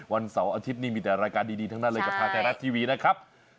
วันเสาร์อาทิตย์นี้มีแต่รายการดีทั้งนั้นเลยกับทางไทยรัฐทีวีนะครับ